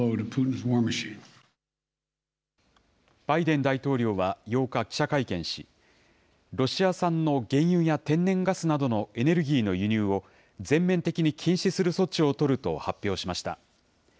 バイデン大統領は、８日記者会見し、ロシア産の原油や天然ガスなどのエネルギーの輸入を、全面的に禁止する措置を取ると発表しました。